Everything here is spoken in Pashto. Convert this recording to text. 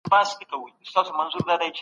د سپوږمۍ رڼا به پر اسمان خپره وه.